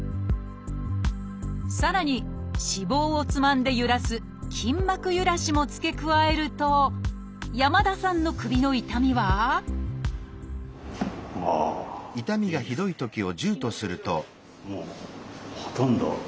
さらに脂肪をつまんでゆらす筋膜ゆらしも付け加えると山田さんの首の痛みは今症状は？